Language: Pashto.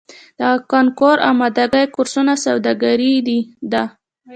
د کانکور امادګۍ کورسونه سوداګري ده؟